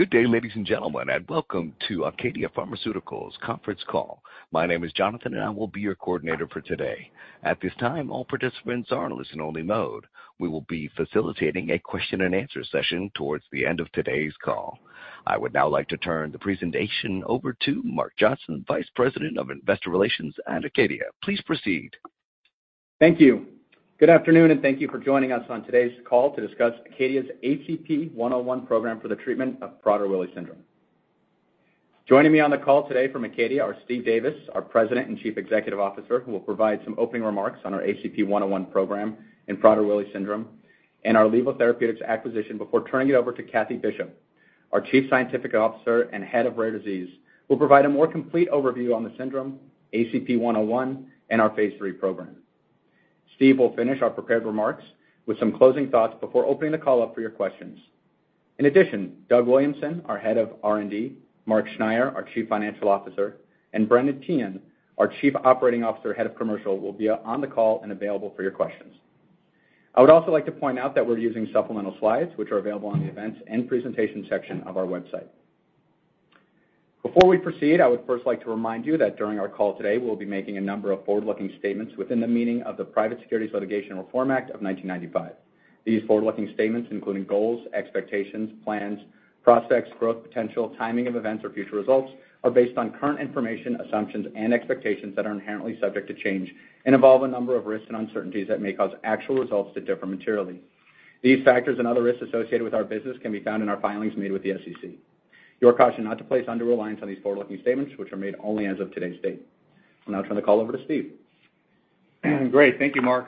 Good day, ladies and gentlemen, welcome to ACADIA Pharmaceuticals conference call. My name is Jonathan, I will be your coordinator for today. At this time, all participants are in listen only mode. We will be facilitating a question and answer session towards the end of today's call. I would now like to turn the presentation over to Mark Johnson, Vice President of Investor Relations at ACADIA. Please proceed. Thank you. Good afternoon, thank you for joining us on today's call to discuss ACADIA's ACP-101 program for the treatment of Prader-Willi syndrome. Joining me on the call today from ACADIA are Steve Davis, our President and Chief Executive Officer, who will provide some opening remarks on our ACP-101 program in Prader-Willi syndrome and our Levo Therapeutics acquisition, before turning it over to Kathie Bishop, our Chief Scientific Officer and Head of Rare Disease, will provide a more complete overview on the syndrome, ACP-101 and our phase III program. Steve will finish our prepared remarks with some closing thoughts before opening the call up for your questions. In addition, Doug Williamson, our Head of R&D, Mark Schneyer, our Chief Financial Officer, and Brendan Teehan, our Chief Operating Officer, Head of Commercial, will be on the call and available for your questions. I would also like to point out that we're using supplemental slides, which are available on the Events and Presentation section of our website. Before we proceed, I would first like to remind you that during our call today, we'll be making a number of forward-looking statements within the meaning of the Private Securities Litigation Reform Act of 1995. These forward-looking statements, including goals, expectations, plans, prospects, growth, potential timing of events, or future results, are based on current information, assumptions, and expectations that are inherently subject to change and involve a number of risks and uncertainties that may cause actual results to differ materially. These factors and other risks associated with our business can be found in our filings made with the SEC. You're cautioned not to place under reliance on these forward-looking statements, which are made only as of today's date. I'll now turn the call over to Steve. Great. Thank you, Mark.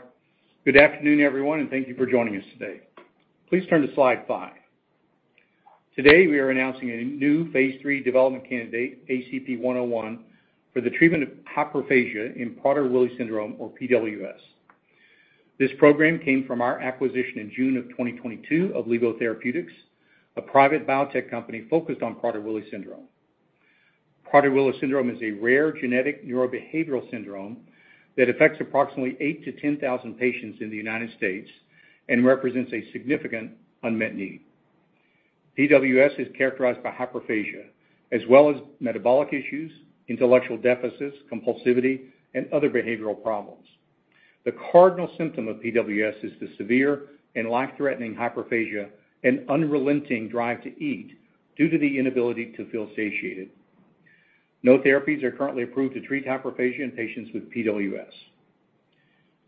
Good afternoon, everyone. Thank you for joining us today. Please turn to slide five. Today, we are announcing a new Phase III development candidate, ACP-101, for the treatment of hyperphagia in Prader-Willi syndrome, or PWS. This program came from our acquisition in June of 2022 of Levo Therapeutics, a private biotech company focused on Prader-Willi syndrome. Prader-Willi syndrome is a rare genetic neurobehavioral syndrome that affects approximately 8,000-10,000 patients in the United States and represents a significant unmet need. PWS is characterized by hyperphagia as well as metabolic issues, intellectual deficits, compulsivity, and other behavioral problems. The cardinal symptom of PWS is the severe and life-threatening hyperphagia and unrelenting drive to eat due to the inability to feel satiated. No therapies are currently approved to treat hyperphagia in patients with PWS.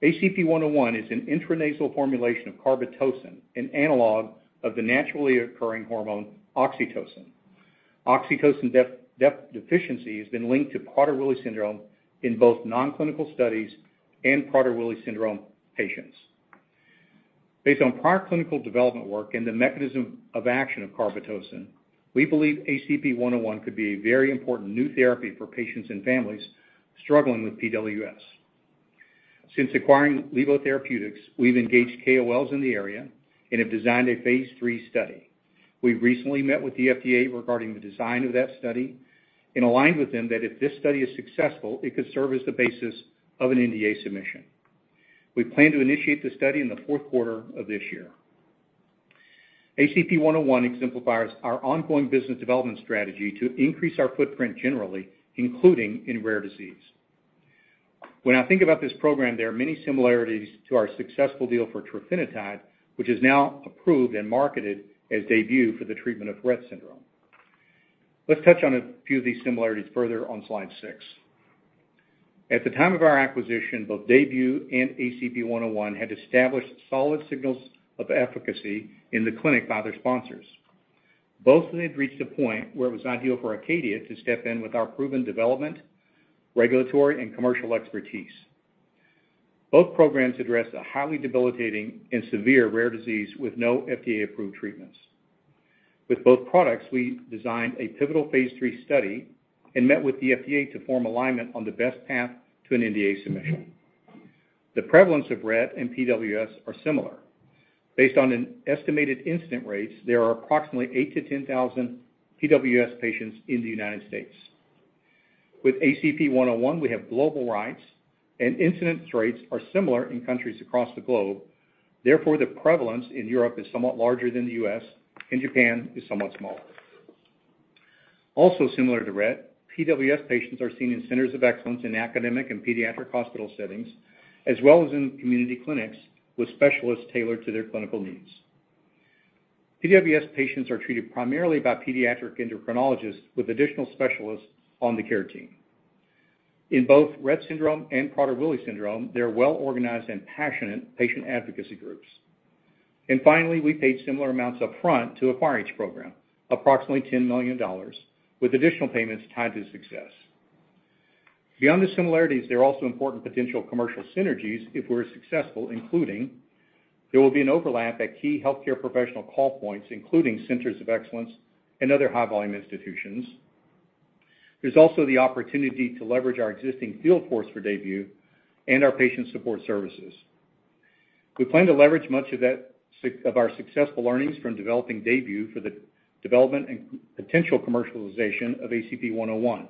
ACP-101 is an intranasal formulation of carbetocin, an analog of the naturally occurring hormone, oxytocin. Oxytocin deficiency has been linked to Prader-Willi syndrome in both non-clinical studies and Prader-Willi syndrome patients. Based on prior clinical development work and the mechanism of action of carbetocin, we believe ACP-101 could be a very important new therapy for patients and families struggling with PWS. Since acquiring Levo Therapeutics, we've engaged KOLs in the area and have designed a phase III study. We've recently met with the FDA regarding the design of that study and aligned with them that if this study is successful, it could serve as the basis of an NDA submission. We plan to initiate the study in the fourth quarter of this year. ACP-101 exemplifies our ongoing business development strategy to increase our footprint generally, including in rare disease. When I think about this program, there are many similarities to our successful deal for trofinetide, which is now approved and marketed as DAYBUE for the treatment of Rett syndrome. Let's touch on a few of these similarities further on slide slide. At the time of our acquisition, both DAYBUE and ACP-101 had established solid signals of efficacy in the clinic by their sponsors. Both of them had reached a point where it was ideal for ACADIA to step in with our proven development, regulatory, and commercial expertise. Both programs address a highly debilitating and severe rare disease with no FDA-approved treatments. With both products, we designed a pivotal phase III study and met with the FDA to form alignment on the best path to an NDA submission. The prevalence of Rett and PWS are similar. Based on an estimated incidence rates, there are approximately 8,000-10,000 PWS patients in the United States. With ACP-101, we have global rights. Incidence rates are similar in countries across the globe. The prevalence in Europe is somewhat larger than the U.S. Japan is somewhat smaller. Similar to Rett, PWS patients are seen in centers of excellence in academic and pediatric hospital settings, as well as in community clinics with specialists tailored to their clinical needs. PWS patients are treated primarily by pediatric endocrinologists, with additional specialists on the care team. In both Rett syndrome and Prader-Willi syndrome, there are well-organized and passionate patient advocacy groups. Finally, we paid similar amounts upfront to acquire each program, approximately $10 million, with additional payments tied to success. Beyond the similarities, there are also important potential commercial synergies if we're successful, including: there will be an overlap at key healthcare professional call points, including centers of excellence and other high-volume institutions. There's also the opportunity to leverage our existing field force for DAYBUE and our patient support services. We plan to leverage much of our successful learnings from developing DAYBUE for the development and potential commercialization of ACP-101.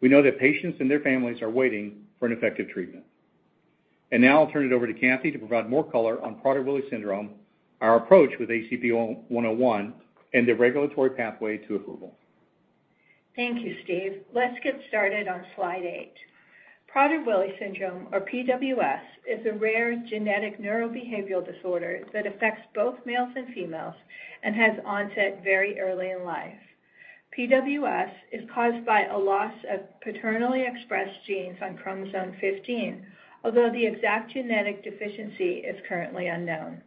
We know that patients and their families are waiting for an effective treatment. Now I'll turn it over to Kathie to provide more color on Prader-Willi syndrome, our approach with ACP-101, and the regulatory pathway to approval. Thank you, Steve. Let's get started on slide eight. Prader-Willi syndrome, or PWS, is a rare genetic neurobehavioral disorder that affects both males and females and has onset very early in life. PWS is caused by a loss of paternally expressed genes on chromosome 15, although the exact genetic deficiency is currently unknown.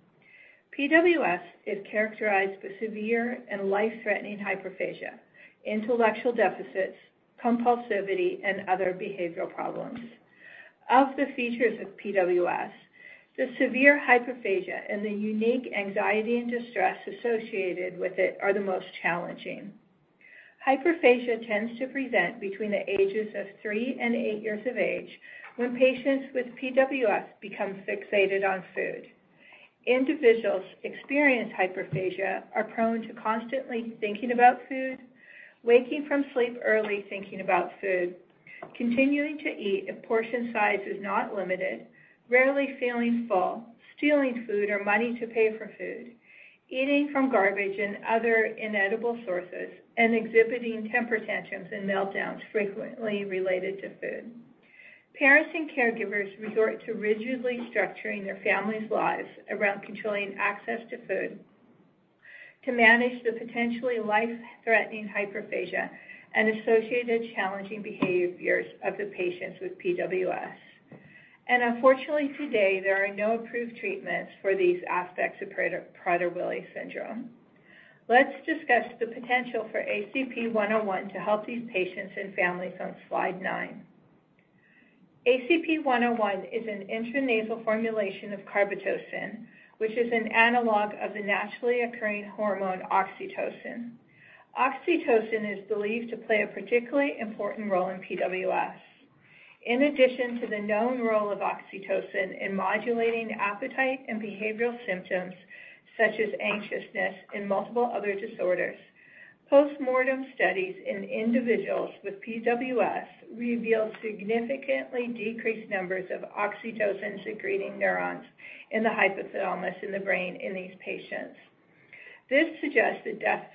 PWS is characterized by severe and life-threatening hyperphagia, intellectual deficits, compulsivity, and other behavioral problems. Of the features of PWS, the severe hyperphagia and the unique anxiety and distress associated with it are the most challenging. Hyperphagia tends to present between the ages of three and eight years of age, when patients with PWS become fixated on food. Individuals experience hyperphagia are prone to constantly thinking about food, waking from sleep early, thinking about food, continuing to eat if portion size is not limited, rarely feeling full, stealing food or money to pay for food, eating from garbage and other inedible sources, and exhibiting temper tantrums and meltdowns frequently related to food. Parents and caregivers resort to rigidly structuring their family's lives around controlling access to food, to manage the potentially life-threatening hyperphagia and associated challenging behaviors of the patients with PWS. Unfortunately, today, there are no approved treatments for these aspects of Prader-Willi syndrome. Let's discuss the potential for ACP-101 to help these patients and families on slide nine. ACP-101 is an intranasal formulation of carbetocin, which is an analog of the naturally occurring hormone, oxytocin. Oxytocin is believed to play a particularly important role in PWS. In addition to the known role of oxytocin in modulating appetite and behavioral symptoms, such as anxiousness in multiple other disorders, postmortem studies in individuals with PWS revealed significantly decreased numbers of oxytocin-secreting neurons in the hypothalamus in the brain in these patients. This suggests that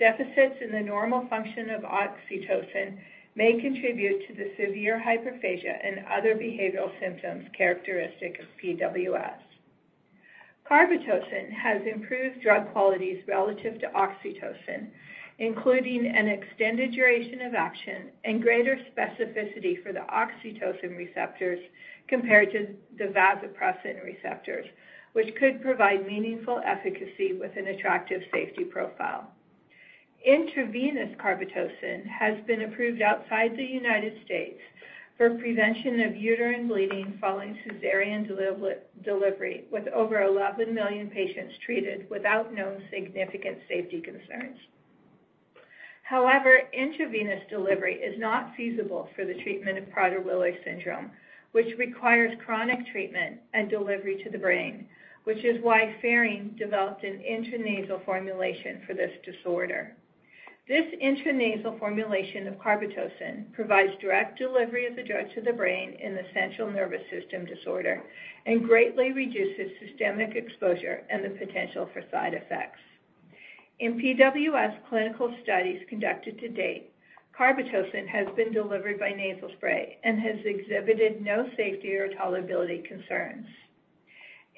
deficits in the normal function of oxytocin may contribute to the severe hyperphagia and other behavioral symptoms characteristic of PWS. carbetocin has improved drug qualities relative to oxytocin, including an extended duration of action and greater specificity for the oxytocin receptors compared to the vasopressin receptors, which could provide meaningful efficacy with an attractive safety profile. Intravenous carbetocin has been approved outside the United States for prevention of uterine bleeding following cesarean delivery, with over 11 million patients treated without known significant safety concerns. However, intravenous delivery is not feasible for the treatment of Prader-Willi syndrome, which requires chronic treatment and delivery to the brain, which is why Ferring developed an intranasal formulation for this disorder. This intranasal formulation of carbetocin provides direct delivery of the drug to the brain in the central nervous system disorder and greatly reduces systemic exposure and the potential for side effects. In PWS clinical studies conducted to date, carbetocin has been delivered by nasal spray and has exhibited no safety or tolerability concerns.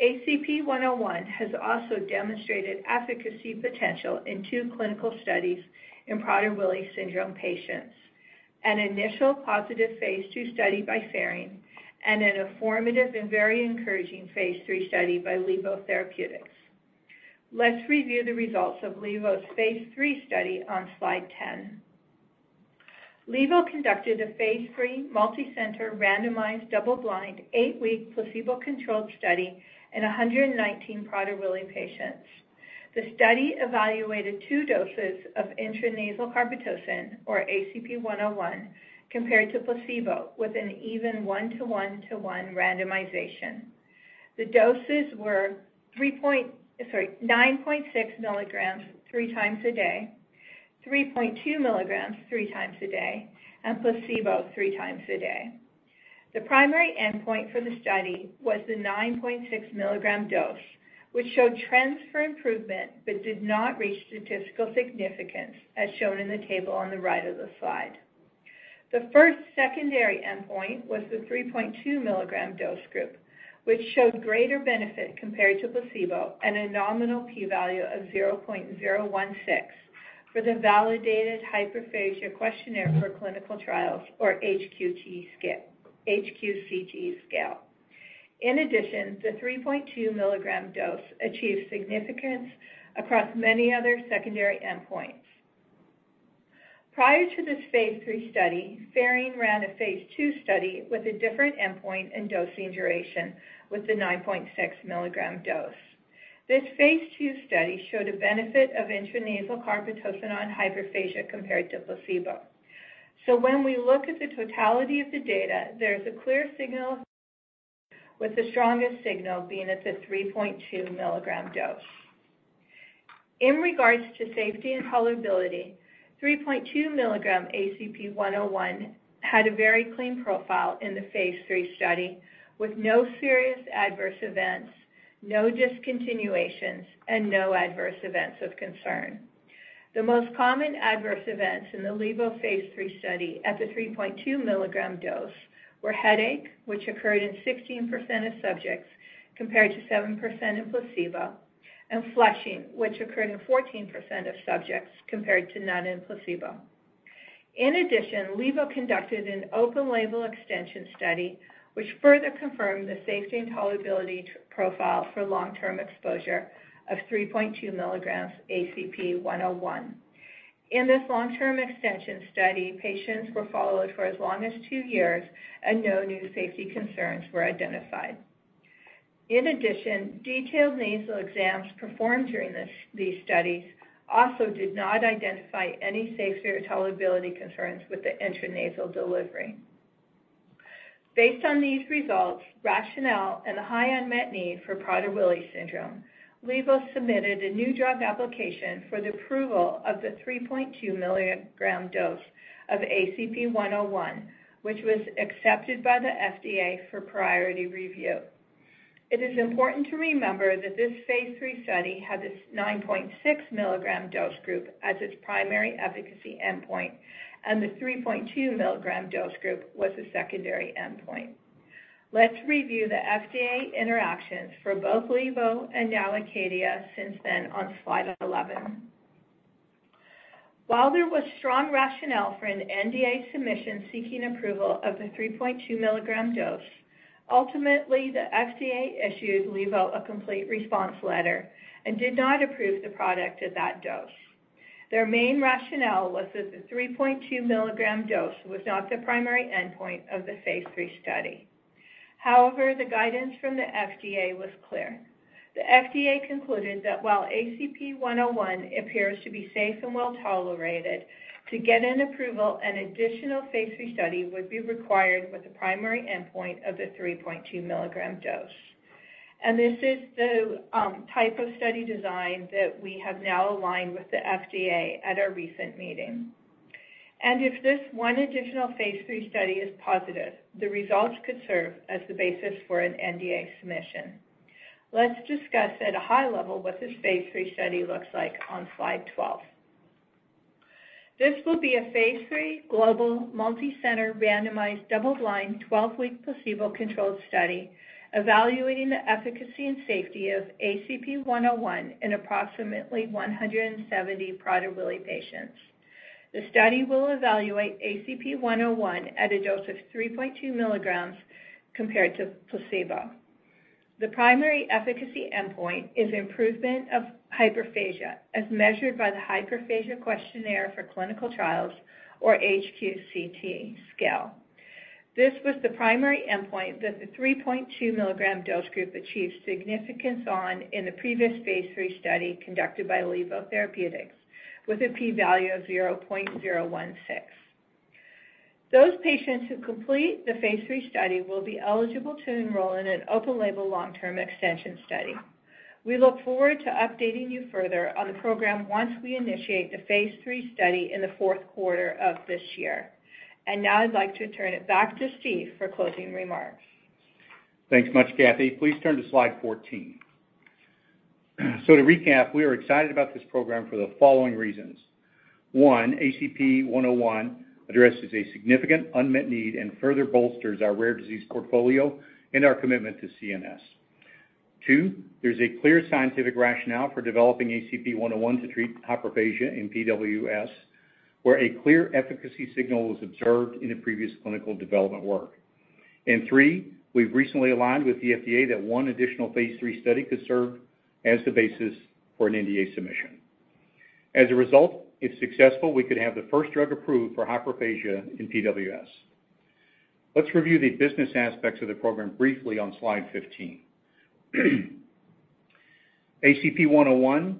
ACP-101 has also demonstrated efficacy potential in two clinical studies in Prader-Willi syndrome patients: an initial positive phase II study by Ferring and an affirmative and very encouraging phase III study by Levo Therapeutics. Let's review the results of Levo's phase III study on slide 10. Levo conducted a phase III, multicenter, randomized, double-blind, 8-week, placebo-controlled study in 119 Prader-Willi patients. The study evaluated two doses of intranasal carbetocin, or ACP-101, compared to placebo, with an even one-to-one-to-one randomization. The doses were 9.6 mgs 3x a day, 3.2 mgs 3x a day, and placebo 3x a day. The primary endpoint for the study was the 9.6 mg dose, which showed trends for improvement but did not reach statistical significance, as shown in the table on the right of the slide. The first secondary endpoint was the 3.2 mg dose group, which showed greater benefit compared to placebo and a nominal P value of 0.016 for the Validated Hyperphagia Questionnaire for clinical trials or HQCT scale. The 3.2 mg dose achieved significance across many other secondary endpoints. Prior to this phase III study, Ferring ran a phase II study with a different endpoint and dosing duration with the 9.6 mg dose. This phase II study showed a benefit of intranasal carbetocin on hyperphagia compared to placebo. When we look at the totality of the data, there is a clear signal, with the strongest signal being at the 3.2 mg dose. In regards to safety and tolerability, 3.2 mg ACP-101 had a very clean profile in the phase III study, with no serious adverse events, no discontinuations, and no adverse events of concern. The most common adverse events in the Levo phase III study at the 3.2 mg dose were headache, which occurred in 16% of subjects, compared to 7% in placebo, and flushing, which occurred in 14% of subjects, compared to none in placebo. In addition, Levo conducted an open-label extension study, which further confirmed the safety and tolerability profile for long-term exposure of 3.2 mg ACP-101. In this long-term extension study, patients were followed for as long as two years, and no new safety concerns were identified. In addition, detailed nasal exams performed during these studies also did not identify any safety or tolerability concerns with the intranasal delivery. Based on these results, rationale, and the high unmet need for Prader-Willi syndrome, Levo submitted a new drug application for the approval of the 3.2 mg dose of ACP-101, which was accepted by the FDA for priority review. It is important to remember that this phase III study had a 9.6 mg dose group as its primary efficacy endpoint, and the 3.2 mg dose group was a secondary endpoint. Let's review the FDA interactions for both Levo and now ACADIA since then on slide 11. While there was strong rationale for an NDA submission seeking approval of the 3.2 mg dose, ultimately, the FDA issued Levo a Complete Response Letter and did not approve the product at that dose. Their main rationale was that the 3.2 mg dose was not the primary endpoint of the phase III study. However, the guidance from the FDA was clear. The FDA concluded that while ACP-101 appears to be safe and well-tolerated, to get an approval, an additional phase III study would be required with a primary endpoint of the 3.2 mg dose. This is the type of study design that we have now aligned with the FDA at our recent meeting. If this one additional phase III study is positive, the results could serve as the basis for an NDA submission. Let's discuss at a high level what this phase III study looks like on slide 12. This will be a phase III global, multicenter, randomized, double-blind, 12-week placebo-controlled study, evaluating the efficacy and safety of ACP-101 in approximately 170 Prader-Willi patients. The study will evaluate ACP-101 at a dose of 3.2 mg compared to placebo. The primary efficacy endpoint is improvement of hyperphagia, as measured by the Hyperphagia Questionnaire for Clinical Trials, or HQCT scale. This was the primary endpoint that the 3.2 mg dose group achieved significance on in the previous phase III study conducted by Levo Therapeutics, with a P value of 0.016. Those patients who complete the phase III study will be eligible to enroll in an open-label long-term extension study. We look forward to updating you further on the program once we initiate the phase III study in the fourth quarter of this year. Now I'd like to turn it back to Steve for closing remarks. Thanks much, Kathie. Please turn to slide 14. To recap, we are excited about this program for the following reasons: one, ACP-101 addresses a significant unmet need and further bolsters our rare disease portfolio and our commitment to CNS. two, there's a clear scientific rationale for developing ACP-101 to treat hyperphagia in PWS, where a clear efficacy signal was observed in the previous clinical development work. three, we've recently aligned with the FDA that one additional phase III study could serve as the basis for an NDA submission. As a result, if successful, we could have the first drug approved for hyperphagia in PWS. Let's review the business aspects of the program briefly on slide 15. ACP-101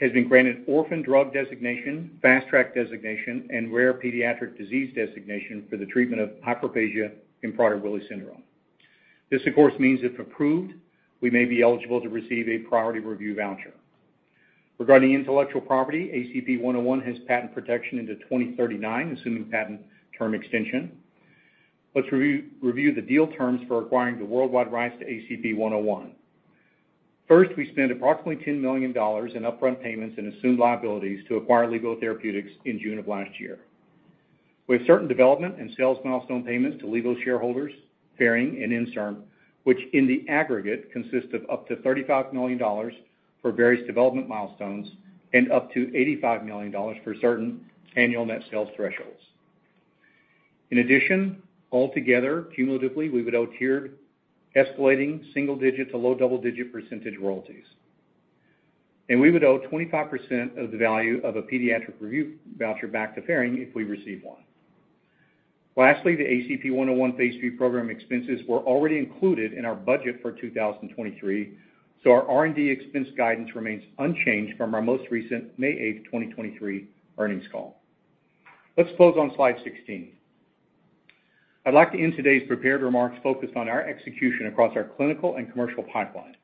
has been granted Orphan Drug designation, Fast Track designation, and rare pediatric disease designation for the treatment of hyperphagia in Prader-Willi syndrome. This, of course, means if approved, we may be eligible to receive a priority review voucher. Regarding intellectual property, ACP-101 has patent protection into 2039, assuming patent term extension. Let's review the deal terms for acquiring the worldwide rights to ACP-101. We spent approximately $10 million in upfront payments and assumed liabilities to acquire Levo Therapeutics in June of last year. We have certain development and sales milestone payments to Levo shareholders, Ferring and Inserm, which in the aggregate, consist of up to $35 million for various development milestones and up to $85 million for certain annual net sales thresholds. Altogether, cumulatively, we would owe tiered escalating single digit to low double-digit percentage royalties. We would owe 25% of the value of a pediatric review voucher back to Ferring if we receive one. Lastly, the ACP-101 phase III program expenses were already included in our budget for 2023, so our R&D expense guidance remains unchanged from our most recent May 8th, 2023 earnings call. Let's close on slide 16. I'd like to end today's prepared remarks focused on our execution across our clinical and commercial pipeline.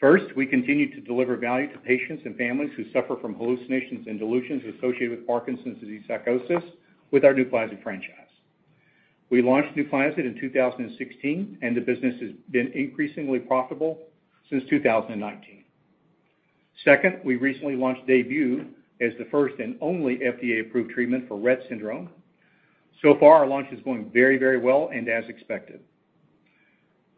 First, we continue to deliver value to patients and families who suffer from hallucinations and delusions associated with Parkinson's disease psychosis with our NUPLAZID franchise. We launched NUPLAZID in 2016, and the business has been increasingly profitable since 2019. Second, we recently launched DAYBUE as the first and only FDA-approved treatment for Rett syndrome. Far, our launch is going very, very well and as expected.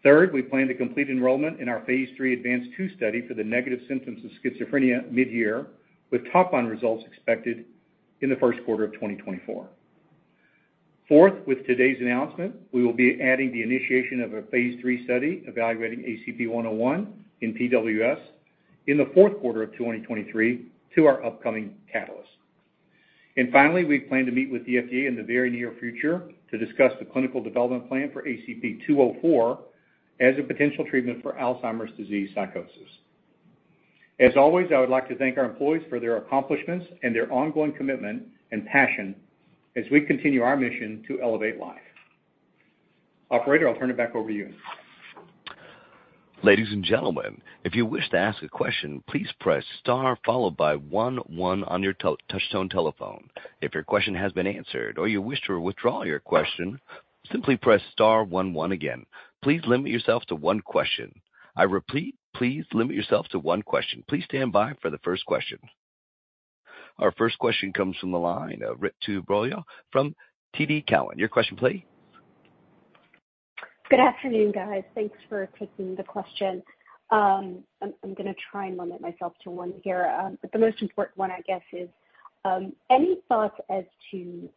Third, we plan to complete enrollment in our Phase III ADVANCE-2 study for the negative symptoms of schizophrenia mid-year, with top-line results expected in the first quarter of 2024. Fourth, with today's announcement, we will be adding the initiation of a Phase III study evaluating ACP-101 in PWS in fourth quarter 2023 to our upcoming catalyst. Finally, we plan to meet with the FDA in the very near future to discuss the clinical development plan for ACP-204 as a potential treatment for Alzheimer's disease psychosis. As always, I would like to thank our employees for their accomplishments and their ongoing commitment and passion as we continue our mission to elevate life. Operator, I'll turn it back over to you. Ladies and gentlemen, if you wish to ask a question, please press star, followed by one one on your touchtone telephone. If your question has been answered or you wish to withdraw your question, simply press star one one again. Please limit yourself to one question. I repeat, please limit yourself to one question. Please stand by for the first question. Our first question comes from the line of Ritu Baral from TD Cowen. Your question, please. Good afternoon, guys. Thanks for taking the question. I'm gonna try and limit myself to one here, but the most important one, I guess, is any thoughts as to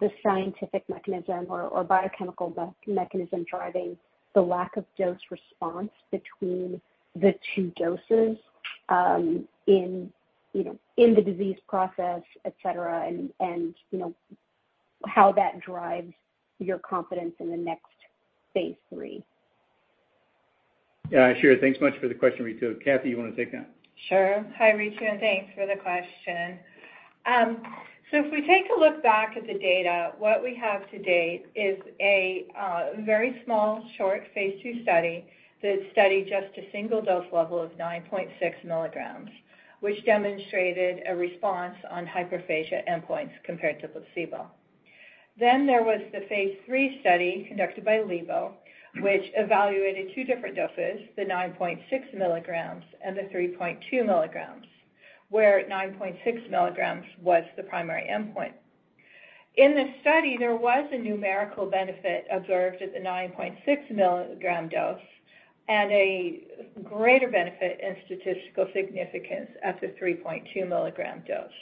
the scientific mechanism or biochemical mechanism driving the lack of dose response between the two doses, in, you know, in the disease process, et cetera, and, you know, how that drives your confidence in the next phase III? Yeah, sure. Thanks much for the question, Ritu. Kathie, you want to take that? Sure. Hi, Ritu, and thanks for the question. If we take a look back at the data, what we have to date is a very small, short phase II study that studied just a single dose level of 9.6 mg, which demonstrated a response on hyperphagia endpoints compared to placebo. There was the phase III study conducted by Levo, which evaluated two different doses, the 9.6 mg and the 3.2 mg, where 9.6 mg was the primary endpoint. In this study, there was a numerical benefit observed at the 9.6 mg dose and a greater benefit and statistical significance at the 3.2 mg dose.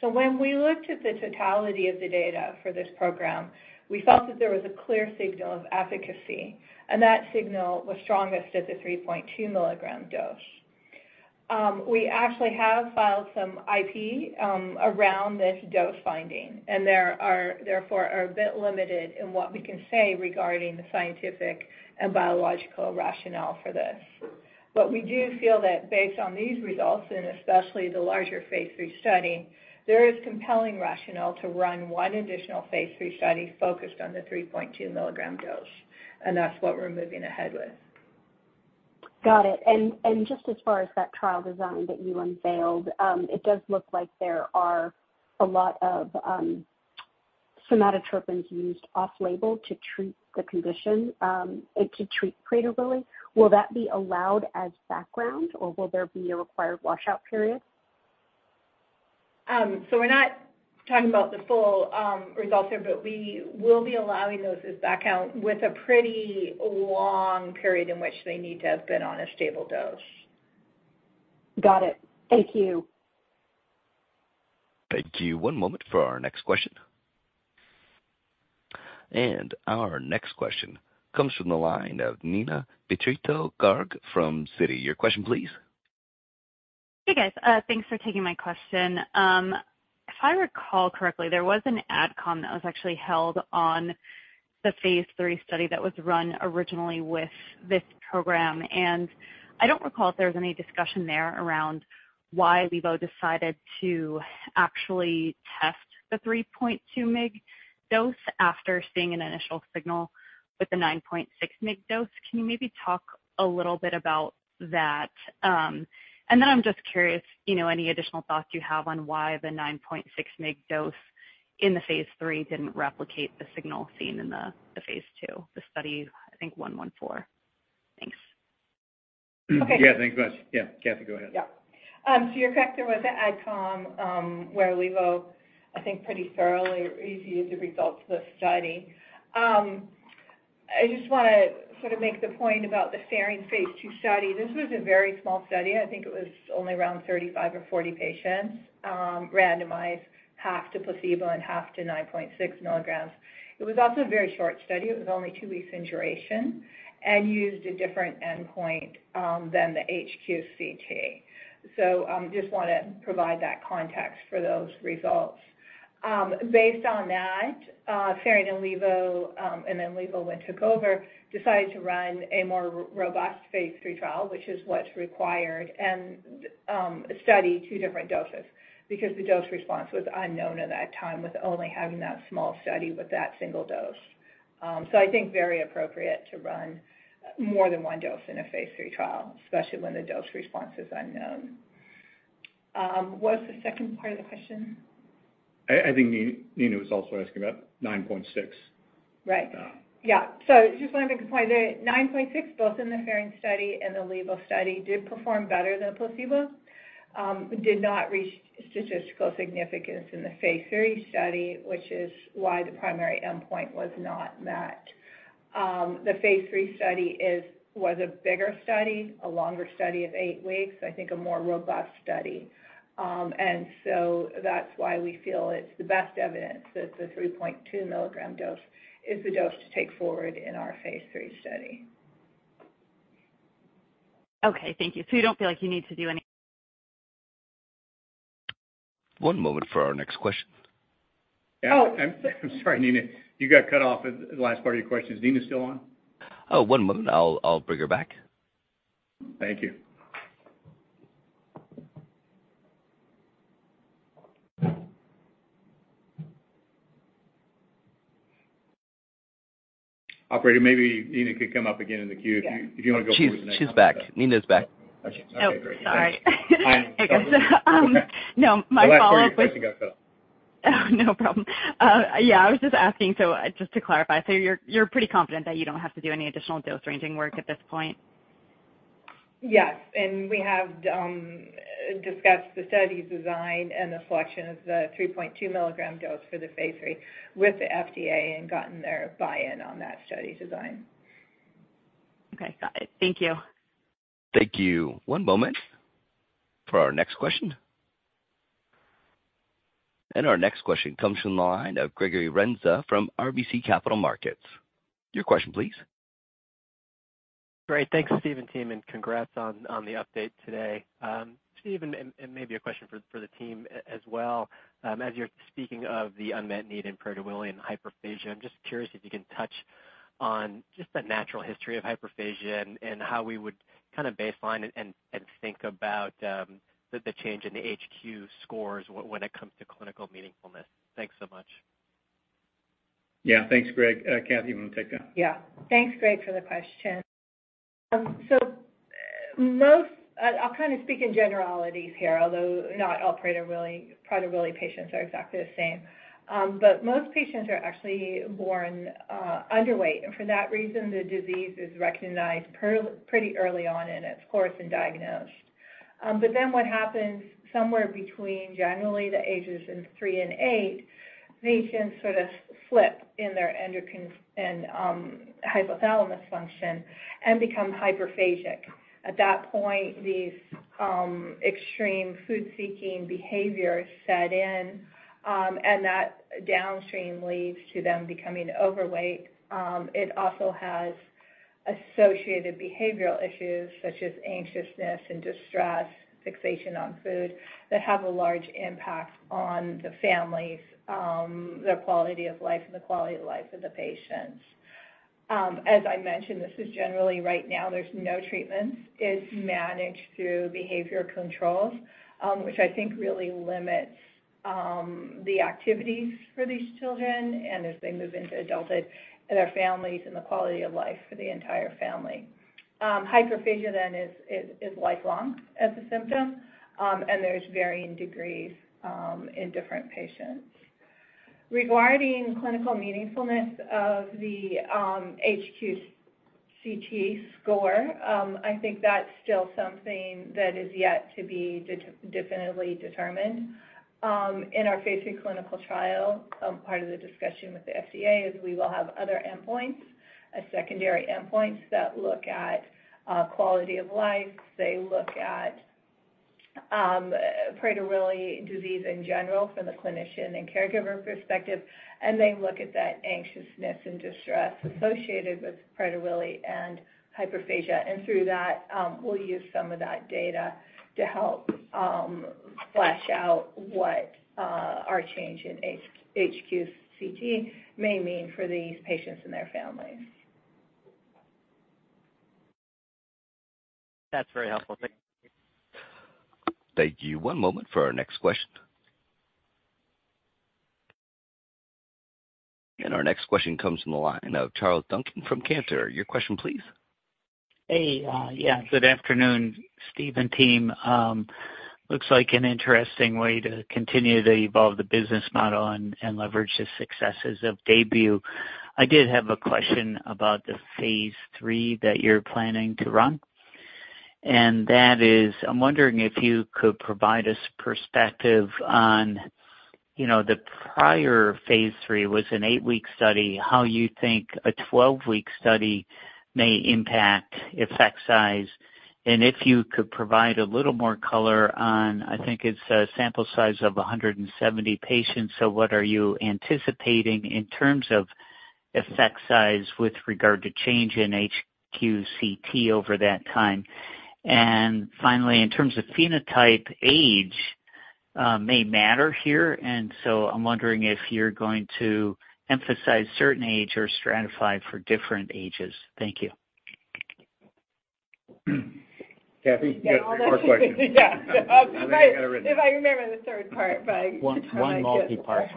When we looked at the totality of the data for this program, we felt that there was a clear signal of efficacy, and that signal was strongest at the 3.2 mg dose. We actually have filed some IP around this dose finding, and there are therefore a bit limited in what we can say regarding the scientific and biological rationale for this. We do feel that based on these results, and especially the larger phase III study, there is compelling rationale to run one additional phase III study focused on the 3.2 mg dose, and that's what we're moving ahead with. Got it. Just as far as that trial design that you unveiled, it does look like there are a lot of somatropin used off-label to treat the condition, and to treat Prader-Willi. Will that be allowed as background, or will there be a required washout period? We're not talking about the full results here, but we will be allowing those as background with a pretty long period in which they need to have been on a stable dose. Got it. Thank you. Thank you. One moment for our next question. Our next question comes from the line of Neena Bitritto-Garg from Citi. Your question, please. Hey, guys. Thanks for taking my question. If I recall correctly, there was an ad com that was actually held on the phase III study that was run originally with this program. I don't recall if there was any discussion there around why Levo decided to actually test the 3.2 mg dose after seeing an initial signal with the 9.6 mg dose. Can you maybe talk a little bit about that? I'm just curious, you know, any additional thoughts you have on why the 9.6 mg dose in the phase III didn't replicate the signal seen in the phase II, the study, I think, 114. Thanks. Okay. Thanks much. Kathie, go ahead. You're correct. There was an ad com where Levo, I think, pretty thoroughly reviewed the results of the study. I just wanna sort of make the point about the steering phase II study. This was a very small study. I think it was only around 35 or 40 patients randomized, half to placebo and half to 9.6 mg. It was also a very short study. It was only two weeks in duration and used a different endpoint than the HQCT. Just wanna provide that context for those results. Based on that, Ferring and Levo, and then Levo, when took over, decided to run a more robust phase three trial, which is what's required, and study two different doses because the dose response was unknown at that time, with only having that small study with that single dose. I think very appropriate to run more than one dose in a phase III trial, especially when the dose response is unknown. What's the second part of the question? I think Nina was also asking about 9.6. Right. Uh. Yeah. Just want to make a point that 9.6, both in the Ferring study and the Levo study, did perform better than placebo, did not reach statistical significance in the phase III study, which is why the primary endpoint was not met. The phase III study was a bigger study, a longer study of eight weeks, I think, a more robust study. That's why we feel it's the best evidence that the 3.2 mg dose is the dose to take forward in our phase III study. Okay, thank you. You don't feel like you need to do any- One moment for our next question. Oh, I'm sorry, Nina, you got cut off at the last part of your question. Is Neena still on? One moment. I'll bring her back. Thank you. Operator, maybe Neena could come up again in the queue. Yeah. If you wanna go for the next- She's back. Neena is back. Okay. Great. Oh, sorry. Hi. No, my fault. The last part of your question got cut. No problem. Yeah, I was just asking, just to clarify, you're pretty confident that you don't have to do any additional dose ranging work at this point? Yes, we have discussed the study design and the selection of the 3.2 mg dose for the phase III with the FDA and gotten their buy-in on that study design. Okay, got it. Thank you. Thank you. One moment for our next question. Our next question comes from the line of Gregory Renza from RBC Capital Markets. Your question please. Great. Thanks, Steve and team, and congrats on the update today. Steve, and maybe a question for the team as well. As you're speaking of the unmet need in Prader-Willi and hyperphagia, I'm just curious if you can touch on just the natural history of hyperphagia and how we would kinda baseline and think about the change in the HQ scores when it comes to clinical meaningfulness. Thanks so much. Yeah, thanks, Greg. Kathie, you wanna take that? Yeah. Thanks, Greg, for the question. I'll kind of speak in generalities here, although not all Prader-Willi patients are exactly the same. Most patients are actually born underweight, and for that reason, the disease is recognized pretty early on in its course and diagnosed. What happens somewhere between generally the ages of three and eight, patients sort of slip in their endocrine and hypothalamus function and become hyperphagic. At that point, these extreme food-seeking behaviors set in, that downstream leads to them becoming overweight. It also has associated behavioral issues such as anxiousness and distress, fixation on food, that have a large impact on the families, their quality of life and the quality of life of the patients. As I mentioned, this is generally right now, there's no treatments. It's managed through behavior controls, which I think really limits the activities for these children and as they move into adulthood and their families, and the quality of life for the entire family. Hyperphagia then is lifelong as a symptom, and there's varying degrees in different patients. Regarding clinical meaningfulness of the HQCT score, I think that's still something that is yet to be definitively determined. In our phase III clinical trial, part of the discussion with the FDA, is we will have other endpoints, a secondary endpoints that look at quality of life, they look at Prader-Willi disease in general from the clinician and caregiver perspective, and they look at that anxiousness and distress associated with Prader-Willi and hyperphagia. Through that, we'll use some of that data to help flesh out what our change in HQCT may mean for these patients and their families. That's very helpful. Thank you. Thank you. One moment for our next question. Our next question comes from the line of Charles Duncan from Cantor. Your question please. Hey, yeah, good afternoon, Steve and team. Looks like an interesting way to continue to evolve the business model and leverage the successes of DAYBUE. I did have a question about the phase III that you're planning to run, and that is: I'm wondering if you could provide us perspective on, you know, the prior phase III was an eight week study, how you think a 12-week study may impact effect size? If you could provide a little more color on, I think it's a sample size of 170 patients, so what are you anticipating in terms of effect size with regard to change in HQCT over that time? Finally, in terms of phenotype, age may matter here, I'm wondering if you're going to emphasize certain age or stratify for different ages. Thank you. Kathie, you got more questions. Yeah. I think you got it written. If I remember the third part. One multi-part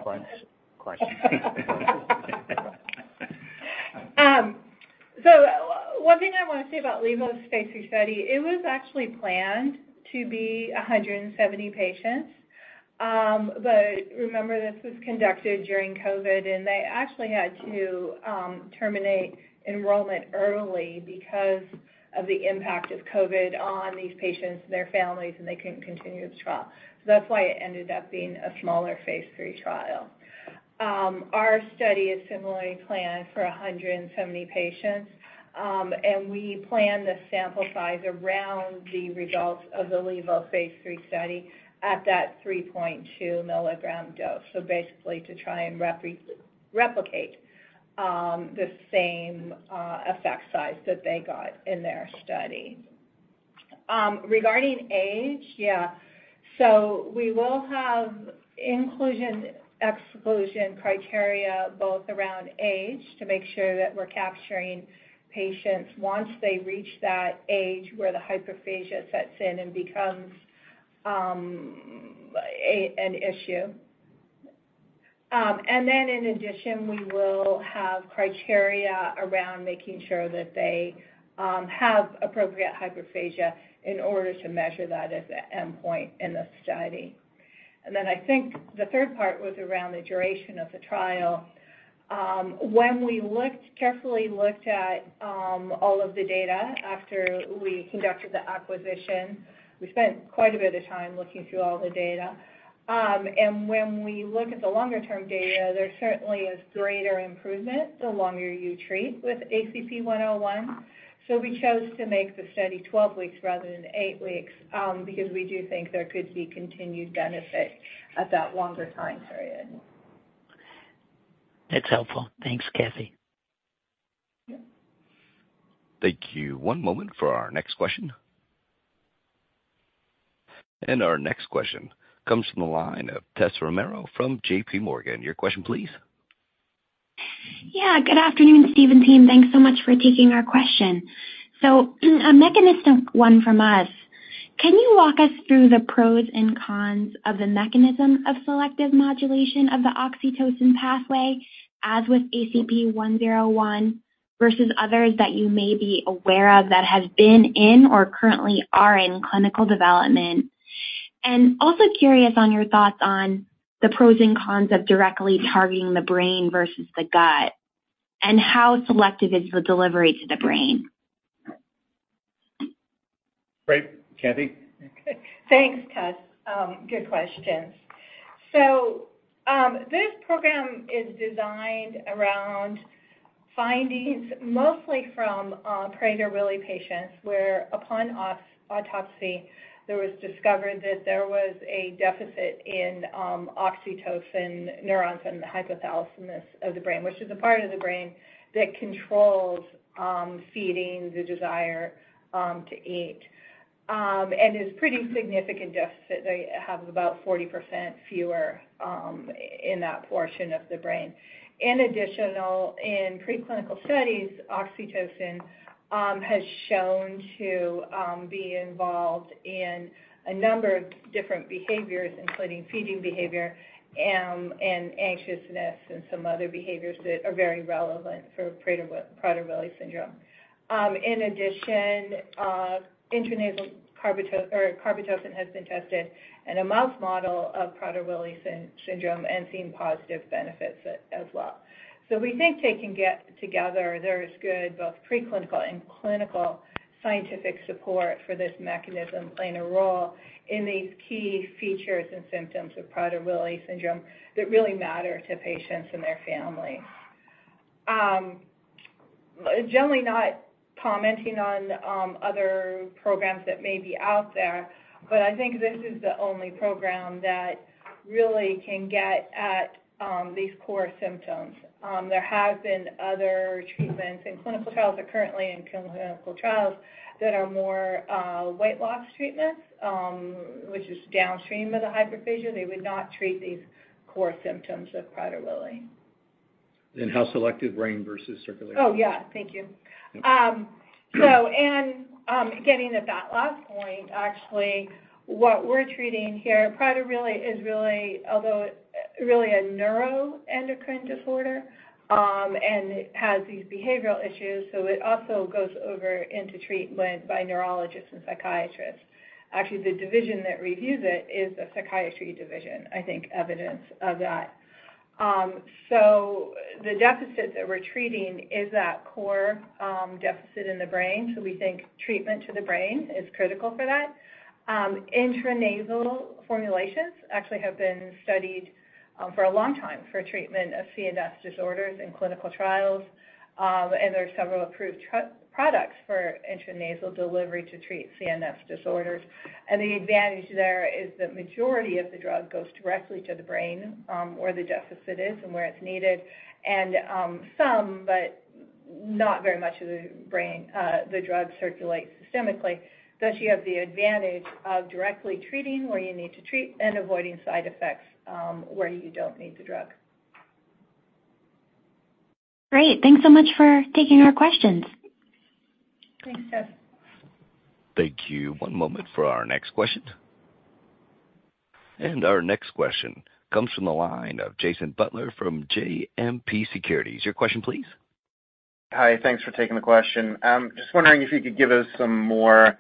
question. One thing I want to say about Levo's phase III study, it was actually planned to be 170 patients. Remember, this was conducted during COVID, and they actually had to terminate enrollment early because of the impact of COVID on these patients, their families, and they couldn't continue the trial. That's why it ended up being a smaller phase III trial. Our study is similarly planned for 170 patients, and we plan the sample size around the results of the Levo phase III study at that 3.2 mg dose. Basically, to try and replicate the same effect size that they got in their study. Regarding age, yeah. We will have inclusion, exclusion criteria, both around age, to make sure that we're capturing patients once they reach that age where the hyperphagia sets in and becomes an issue. In addition, we will have criteria around making sure that they have appropriate hyperphagia in order to measure that as an endpoint in the study. I think the third part was around the duration of the trial. When we carefully looked at all of the data after we conducted the acquisition, we spent quite a bit of time looking through all the data. When we look at the longer-term data, there certainly is greater improvement the longer you treat with ACP-101. we chose to make the study 12 weeks rather than eight weeks, because we do think there could be continued benefit at that longer time period. That's helpful. Thanks, Kathie. Yeah. Thank you. One moment for our next question. Our next question comes from the line of Tessa Romero from J.P. Morgan. Your question, please. Good afternoon, Steve and team. Thanks so much for taking our question. A mechanistic one from us. Can you walk us through the pros and cons of the mechanism of selective modulation of the oxytocin pathway, as with ACP-101, versus others that you may be aware of that have been in or currently are in clinical development? Curious on your thoughts on the pros and cons of directly targeting the brain versus the gut, and how selective is the delivery to the brain? Great. Kathie? Thanks, Tess. Good questions. This program is designed around findings, mostly from Prader-Willi patients, where upon autopsy, there was discovered that there was a deficit in oxytocin neurons in the hypothalamus of the brain, which is a part of the brain that controls feeding, the desire to eat. It's pretty significant deficit. They have about 40% fewer in that portion of the brain. In addition, in preclinical studies, oxytocin has shown to be involved in a number of different behaviors, including feeding behavior, and anxiousness, and some other behaviors that are very relevant for Prader-Willi syndrome. In addition, intranasal carbetocin or carbetocin has been tested in a mouse model of Prader-Willi syndrome and seen positive benefits as well. We think they can get together. There is good, both preclinical and clinical scientific support for this mechanism, playing a role in these key features and symptoms of Prader-Willi syndrome that really matter to patients and their families. Generally not commenting on other programs that may be out there, but I think this is the only program that really can get at these core symptoms. There have been other treatments. Clinical trials are currently in clinical trials that are more weight loss treatments, which is downstream of the hyperphagia. They would not treat these core symptoms of Prader-Willi. How selective brain versus circulation? Oh, yeah. Thank you. Yeah. Getting at that last point, actually, what we're treating here, Prader-Willi is really, although really a neuroendocrine disorder, and it has these behavioral issues, so it also goes over into treatment by neurologists and psychiatrists. Actually, the division that reviews it is the psychiatry division, I think, evidence of that. The deficit that we're treating is that core deficit in the brain, so we think treatment to the brain is critical for that. Intranasal formulations actually have been studied for a long time for treatment of CNS disorders in clinical trials. There are several approved products for intranasal delivery to treat CNS disorders. The advantage there is that majority of the drug goes directly to the brain, where the deficit is and where it's needed. Some. not very much of the brain, the drug circulates systemically. She has the advantage of directly treating where you need to treat and avoiding side effects, where you don't need the drug. Great. Thanks so much for taking our questions. Thanks, Tess. Thank you. One moment for our next question. Our next question comes from the line of Jason Butler from JMP Securities. Your question, please. Hi, thanks for taking the question. Just wondering if you could give us some more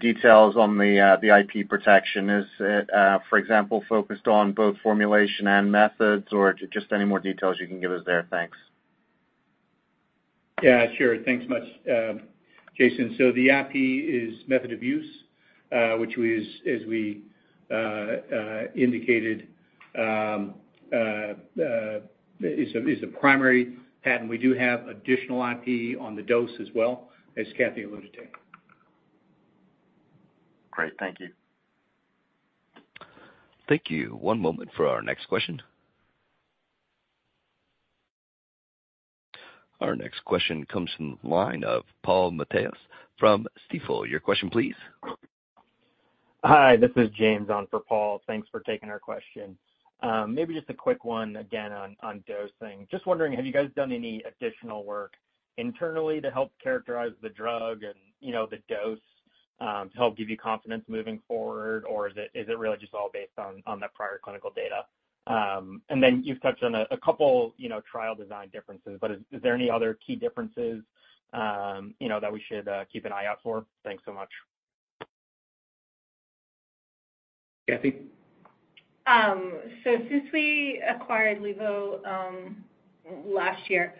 details on the IP protection. Is it, for example, focused on both formulation and methods, or just any more details you can give us there? Thanks. Yeah, sure. Thanks much, Jason. The IP is method of use, which we, as we indicated, is a primary patent. We do have additional IP on the dose as well, as Kathie alluded to. Great. Thank you. Thank you. One moment for our next question. Our next question comes from the line of Paul Matteis from Stifel. Your question, please. Hi, this is James on for Paul. Thanks for taking our question. Maybe just a quick one again on dosing. Just wondering, have you guys done any additional work internally to help characterize the drug and, you know, the dose to help give you confidence moving forward, or is it really just all based on the prior clinical data? Then you've touched on a couple, you know, trial design differences, but is there any other key differences, you know, that we should keep an eye out for? Thanks so much. Kathie? Since we acquired Levo, last year,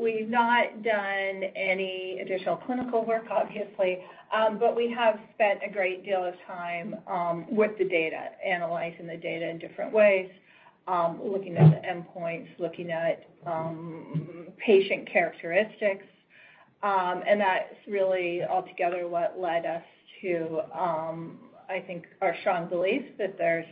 we've not done any additional clinical work, obviously, but we have spent a great deal of time with the data, analyzing the data in different ways, looking at the endpoints, looking at patient characteristics. That's really altogether what led us to, I think, our strong belief that there's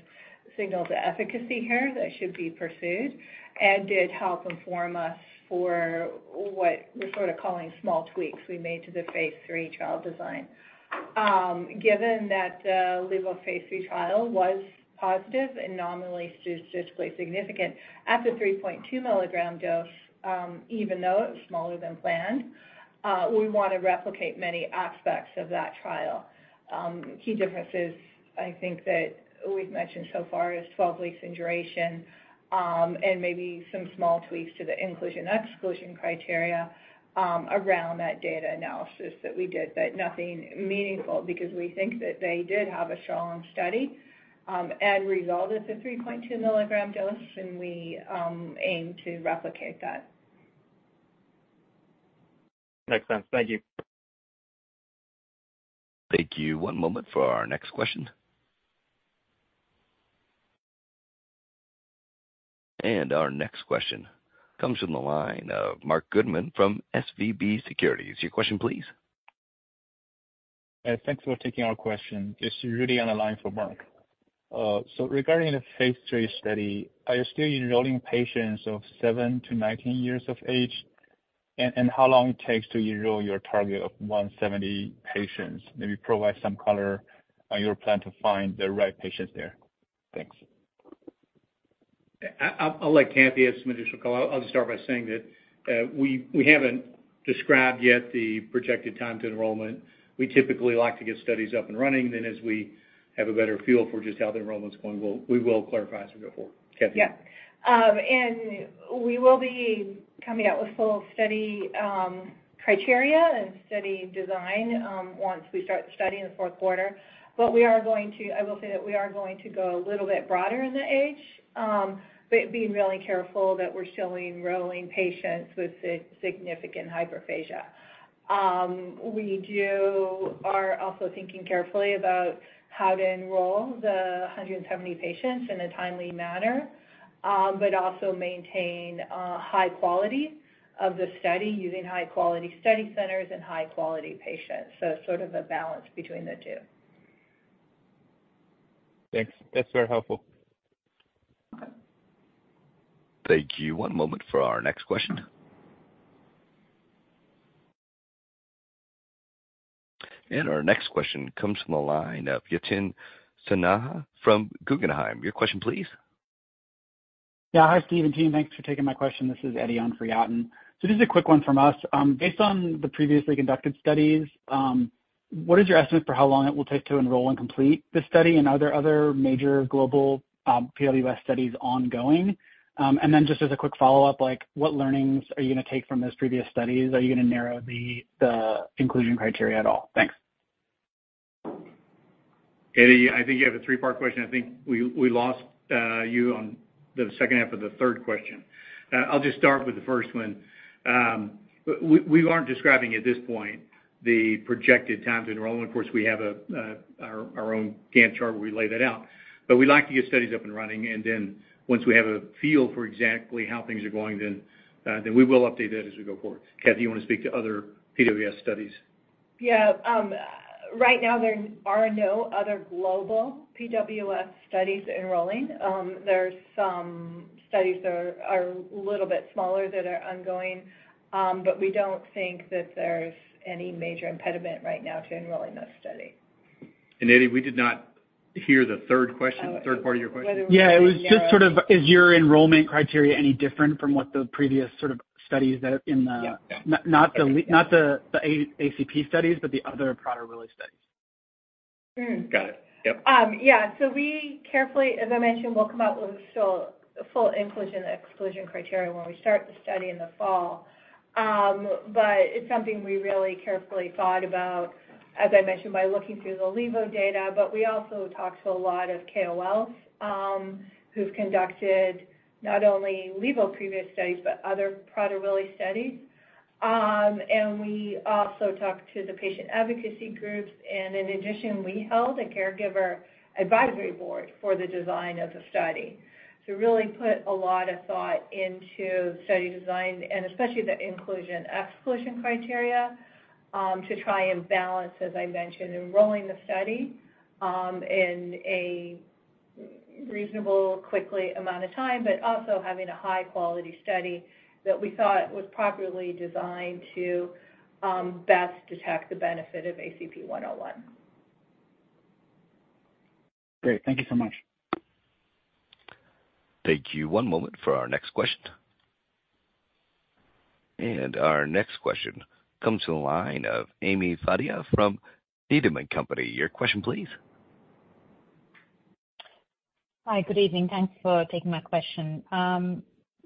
signal to efficacy here that should be pursued and did help inform us for what we're sort of calling small tweaks we made to the phase III trial design. Given that the Levo phase III trial was positive and nominally statistically significant at the 3.2 mg dose, even though it was smaller than planned, we want to replicate many aspects of that trial. Key differences, I think, that we've mentioned so far is 12 weeks in duration, and maybe some small tweaks to the inclusion/exclusion criteria, around that data analysis that we did, but nothing meaningful, because we think that they did have a strong study, and result at the 3.2 mg dose, and we aim to replicate that. Makes sense. Thank you. Thank you. One moment for our next question. Our next question comes from the line of Marc Goodman from SVB Securities. Your question, please. Thanks for taking our question. It's Rudy on the line for Mark. Regarding the phase III study, are you still enrolling patients of 7-19 years of age? How long it takes to enroll your target of 170 patients? Maybe provide some color on your plan to find the right patients there. Thanks. I'll let Kathie add some additional color. I'll just start by saying that we haven't described yet the projected time to enrollment. We typically like to get studies up and running, then as we have a better feel for just how the enrollment's going, we will clarify as we go forward. Kathie. We will be coming out with full study criteria and study design once we start the study in the fourth quarter. I will say that we are going to go a little bit broader in the age, but being really careful that we're still enrolling patients with significant hyperphagia. We are also thinking carefully about how to enroll the 170 patients in a timely manner, but also maintain high quality of the study using high-quality study centers and high-quality patients. Sort of a balance between the two. Thanks. That's very helpful. Thank you. One moment for our next question. Our next question comes from the line of Yatin Suneja from Guggenheim. Your question please. Yeah. Hi, Steve and team. Thanks for taking my question. This is Eddie on for Yatin. Just a quick one from us. Based on the previously conducted studies, what is your estimate for how long it will take to enroll and complete this study, and are there other major global PWS studies ongoing? Just as a quick follow-up, like, what learnings are you going to take from those previous studies? Are you going to narrow the inclusion criteria at all? Thanks. Eddie, I think you have a three-part question. I think we lost you on the second half of the third question. I'll just start with the first one. We aren't describing at this point the projected time to enroll, and of course, we have our own Gantt chart where we lay that out. We like to get studies up and running, and then once we have a feel for exactly how things are going, then we will update that as we go forward. Kathie, you want to speak to other PWS studies? Yeah, right now there are no other global PWS studies enrolling. There's some studies that are a little bit smaller that are ongoing, but we don't think that there's any major impediment right now to enrolling those studies. Eddie, we did not hear the third question, the third part of your question. Yeah, it was just sort of, is your enrollment criteria any different from what the previous sort of studies that are in the- Yeah. Not the ACP studies, but the other Prader-Willi studies. Hmm. Got it. Yep. Yeah. We carefully, as I mentioned, we'll come out with still a full inclusion and exclusion criteria when we start the study in the fall. It's something we really carefully thought about, as I mentioned, by looking through the Levo data. We also talked to a lot of KOLs who've conducted not only Levo previous studies, but other Prader-Willi studies. We also talked to the patient advocacy groups, and in addition, we held a caregiver advisory board for the design of the study. To really put a lot of thought into study design, and especially the inclusion/exclusion criteria, to try and balance, as I mentioned, enrolling the study in a reasonable, quickly amount of time. Also having a high-quality study that we thought was properly designed to best detect the benefit of ACP-101. Great. Thank you so much. Thank you. One moment for our next question. Our next question comes to the line of Ami Fadia from Needham & Company. Your question, please? Hi, good evening. Thanks for taking my question.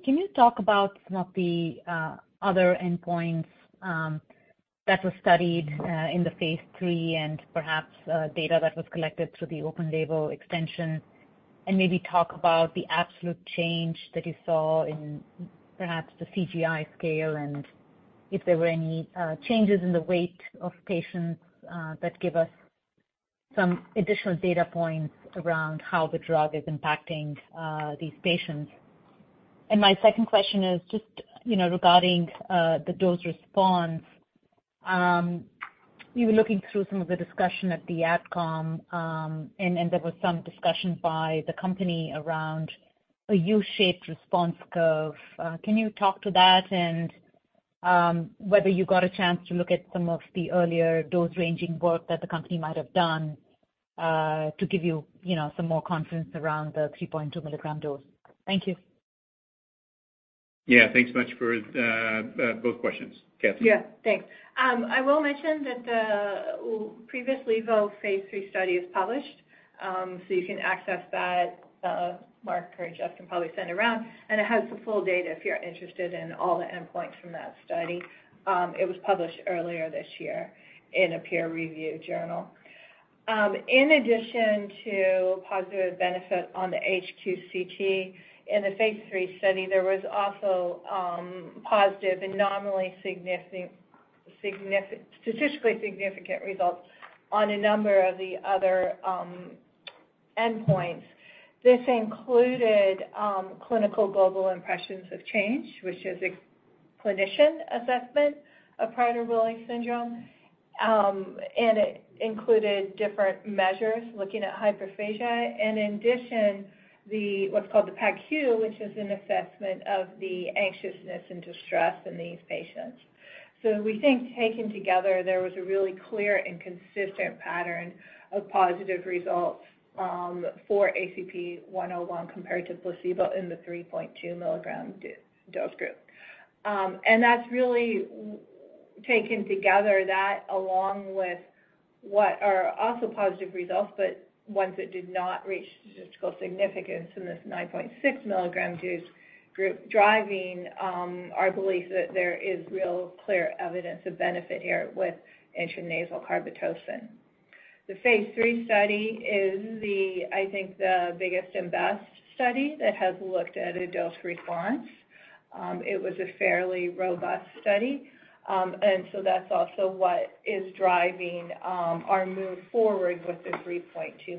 Can you talk about some of the other endpoints that were studied in the phase III and perhaps data that was collected through the open label extension? Maybe talk about the absolute change that you saw in perhaps the CGI scale, and if there were any changes in the weight of patients that give us some additional data points around how the drug is impacting these patients. My second question is just, you know, regarding the dose response. We were looking through some of the discussion at the Adcom, and there was some discussion by the company around a U-shaped response curve. Can you talk to that and, whether you got a chance to look at some of the earlier dose-ranging work that the company might have done, to give you know, some more confidence around the 3.2 mg dose? Thank you. Yeah, thanks so much for both questions. Kathie? Yeah, thanks. I will mention that the previous Levo phase III study is published. You can access that. Mark or Jeff can probably send it around. It has the full data if you're interested in all the endpoints from that study. It was published earlier this year in a peer-review journal. In addition to positive benefit on the HQCT, in the phase III study, there was also positive and nominally significant, statistically significant results on a number of the other endpoints. This included Clinical Global Impression of Change, which is a clinician assessment of Prader-Willi syndrome. It included different measures, looking at hyperphagia. In addition, the what's called the PADQ, which is an assessment of the anxiousness and distress in these patients. We think, taken together, there was a really clear and consistent pattern of positive results for ACP-101 compared to placebo in the 3.2 mg dose group. That's really, taken together, that along with what are also positive results, but ones that did not reach statistical significance in this 9.6 mg dose group, driving our belief that there is real clear evidence of benefit here with intranasal carbetocin. The phase III study is the, I think, the biggest and best study that has looked at a dose response. It was a fairly robust study. That's also what is driving our move forward with the 3.2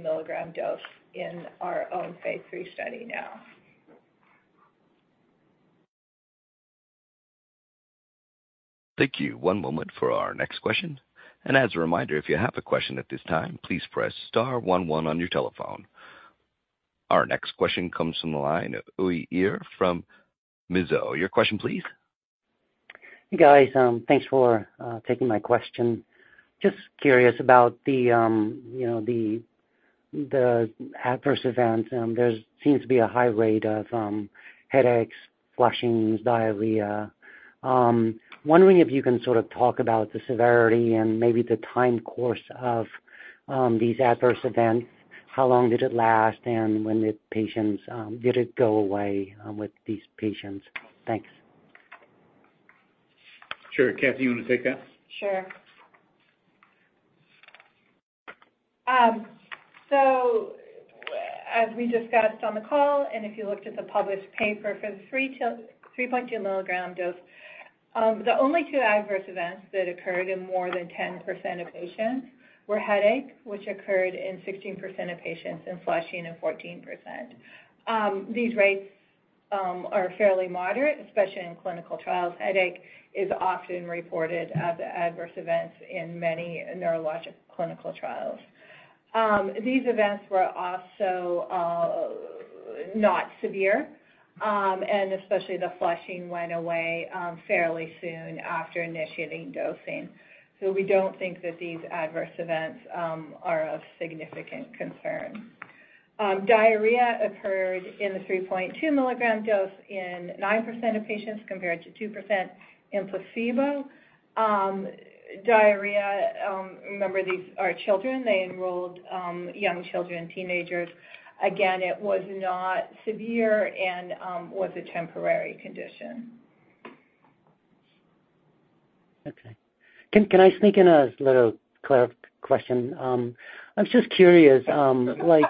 mg dose in our own phase III study now. Thank you. One moment for our next question, and as a reminder, if you have a question at this time, please press star one one on your telephone. Our next question comes from the line of Graig Suvannavejh from Mizuho. Your question please. Hey, guys. Thanks for taking my question. Just curious about the, you know, the adverse events. There seems to be a high rate of headaches, flushings, diarrhea. Wondering if you can sort of talk about the severity and maybe the time course of these adverse events. How long did it last, and when the patients did it go away with these patients? Thanks. Sure. Kathie, you want to take that? Sure. As we discussed on the call and if you looked at the published paper for the 3 mg-3.2 mg dose, the only two adverse events that occurred in more than 10% of patients were headache, which occurred in 16% of patients, and flushing in 14%. These are fairly moderate, especially in clinical trials. Headache is often reported as adverse events in many neurologic clinical trials. These events were also not severe, and especially the flushing went away fairly soon after initiating dosing. We don't think that these adverse events are of significant concern. Diarrhea occurred in the 3.2 mg dose in 9% of patients, compared to 2% in placebo. Diarrhea, remember, these are children. They enrolled young children, teenagers. It was not severe and was a temporary condition. Okay. Can I sneak in a little question? I'm just curious, like,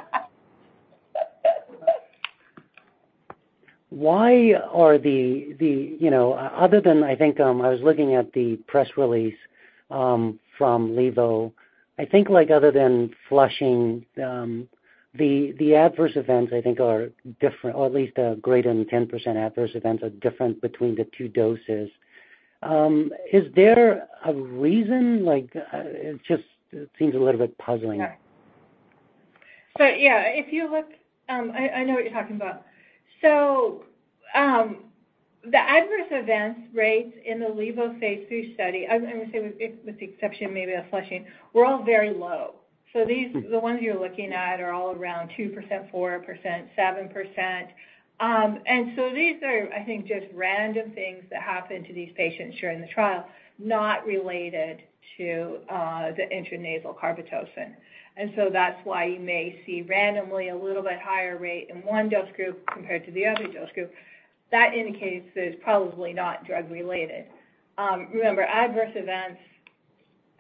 why are the, you know, other than I think, I was looking at the press release from Levo. I think, like, other than flushing, the adverse events I think are different, or at least, greater than 10% adverse events are different between the two doses. Is there a reason? Like, it just, it seems a little bit puzzling. Yeah, if you look, I know what you're talking about. The adverse events rates in the Levo phase III study, I would say with the exception maybe of flushing, were all very low. Mm-hmm. The ones you're looking at are all around 2%, 4%, 7%. These are, I think, just random things that happen to these patients during the trial, not related to the intranasal carbetocin. That's why you may see randomly a little bit higher rate in one dose group compared to the other dose group. That indicates it's probably not drug-related. Remember, adverse events,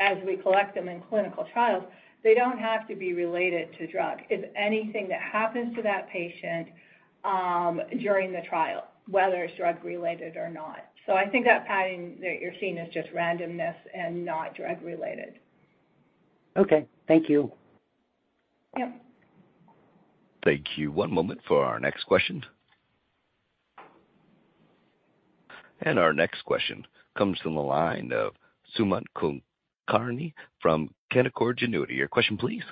as we collect them in clinical trials, they don't have to be related to drug. It's anything that happens to that patient during the trial, whether it's drug-related or not. I think that pattern that you're seeing is just randomness and not drug-related. Okay. Thank you. Yeah. Thank you. One moment for our next question. Our next question comes from the line of Sumant Kulkarni from Canaccord Genuity. Your question, please.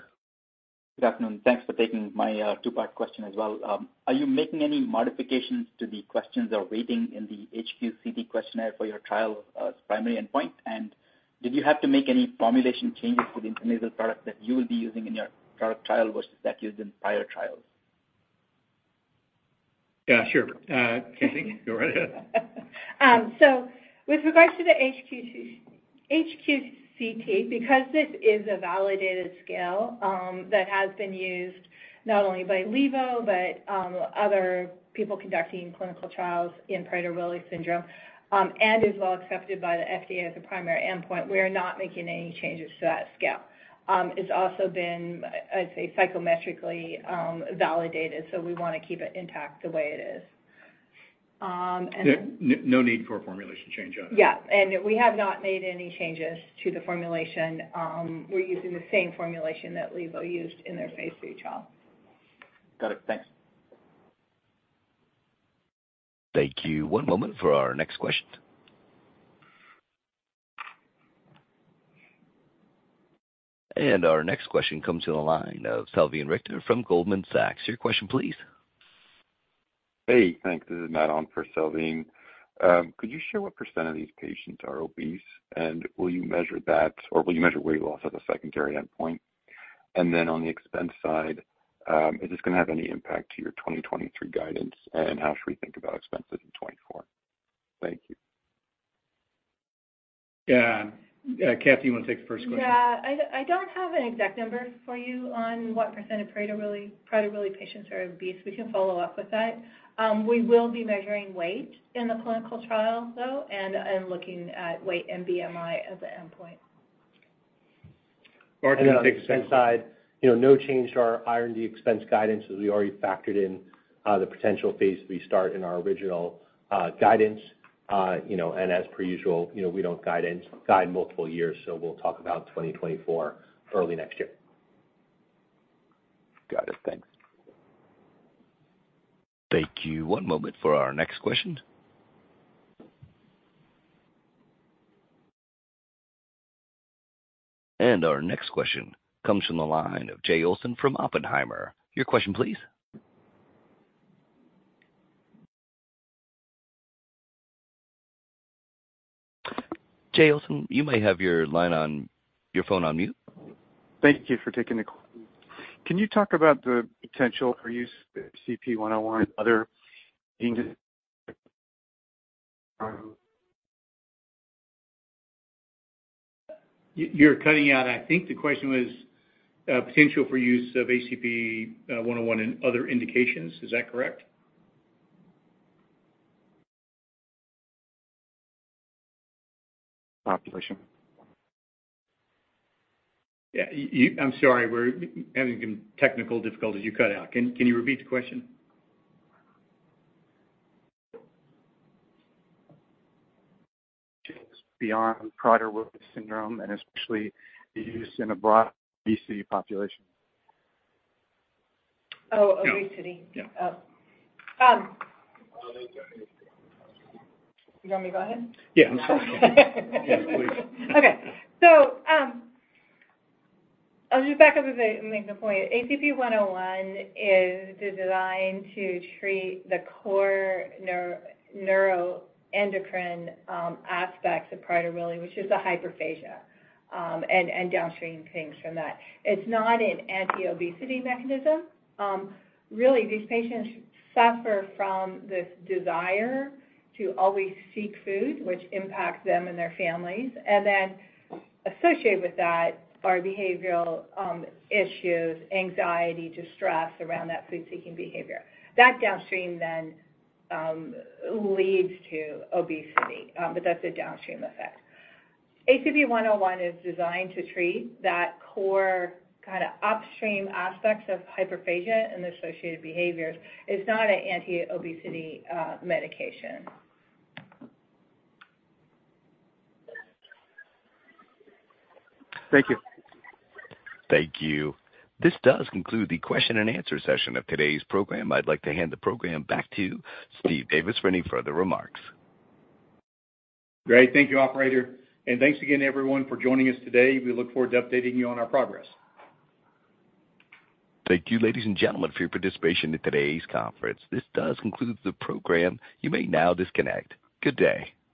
Good afternoon. Thanks for taking my, two-part question as well. Are you making any modifications to the questions or waiting in the HQCT questionnaire for your trial, primary endpoint? Did you have to make any formulation changes to the intranasal product that you will be using in your product trial versus that used in prior trials? Yeah, sure. Kathie, go right ahead. With regards to the HQ, HQCT, because this is a validated scale, that has been used not only by Levo but other people conducting clinical trials in Prader-Willi syndrome, and is well accepted by the FDA as a primary endpoint, we are not making any changes to that scale. It's also been, I'd say, psychometrically validated, so we want to keep it intact the way it is. No need for a formulation change on it. Yeah, we have not made any changes to the formulation. We're using the same formulation that Levo used in their phase III trial. Got it. Thanks. Thank you. One moment for our next question. Our next question comes from the line of Salveen Richter from Goldman Sachs. Your question, please. Hey, thanks. This is Matt on for Salveen. Could you share what percentage of these patients are obese, and will you measure that, or will you measure weight loss as a secondary endpoint? On the expense side, is this going to have any impact to your 2023 guidance, and how should we think about expenses in 2024? Thank you. Kathie, you want to take the first question? Yeah. I don't have an exact number for you on what percentage of Prader-Willi patients are obese. We can follow up with that. We will be measuring weight in the clinical trial, though, and looking at weight and BMI as an endpoint. Got it, makes sense. On the expense side, you know, no change to our R&D expense guidance, as we already factored in the potential phase restart in our original guidance. As per usual, you know, we don't guide multiple years, so we'll talk about 2024 early next year. Got it. Thanks. Thank you. One moment for our next question. Our next question comes from the line of Jay Olson from Oppenheimer. Your question, please. Jay Olson, you may have your phone on mute. Thank you for taking the call. Can you talk about the potential for use of ACP-101 and other in-? You're cutting out. I think the question was potential for use of ACP 101 in other indications. Is that correct? Population. Yeah, I'm sorry, we're having some technical difficulties. You cut out. Can you repeat the question? Beyond Prader-Willi syndrome, and especially the use in a broad obesity population. Oh, obesity. Yeah. Oh, you want me to go ahead? Yeah. I'm sorry. Yes, please. I'll just back up and make the point. ACP-101 is designed to treat the core neuroendocrine aspects of Prader-Willi, which is the hyperphagia and downstream things from that. It's not an anti-obesity mechanism. Really, these patients suffer from this desire to always seek food, which impacts them and their families. Associated with that are behavioral issues, anxiety, distress around that food-seeking behavior. That downstream then leads to obesity, but that's a downstream effect. ACP-101 is designed to treat that core kind of upstream aspects of hyperphagia and associated behaviors. It's not an anti-obesity medication. Thank you. Thank you. This does conclude the question and answer session of today's program. I'd like to hand the program back to Steve Davis for any further remarks. Great. Thank you, operator. Thanks again everyone for joining us today. We look forward to updating you on our progress. Thank you, ladies and gentlemen, for your participation in today's conference. This does conclude the program. You may now disconnect. Good day.